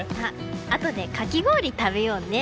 あとで、かき氷食べようね。